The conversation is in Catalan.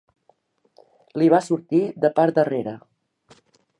Li va sortir de part d'arrere.